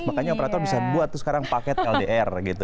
makanya operator bisa buat tuh sekarang paket ldr gitu